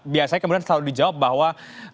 biasanya kemudian selalu dijawab bahwa